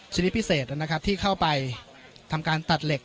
ชนิดพิเศษนะครับที่เข้าไปทำการตัดเหล็ก